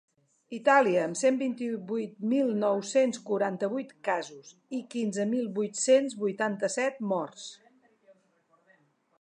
Itàlia, amb cent vint-i-vuit mil nou-cents quaranta-vuit casos i quinze mil vuit-cents vuitanta-set morts.